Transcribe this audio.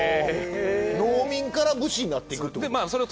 農民から武士になっていくってこと？